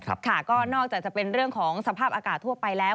ค่ะก็นอกจากจะเป็นเรื่องของสภาพอากาศทั่วไปแล้ว